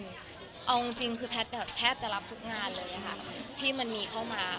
เอาจริงคือแพทย์แทบจะรับทุกงานเลยค่ะที่มันมีเข้ามา